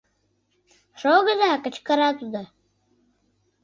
Шогыза! — кычкыра тудо.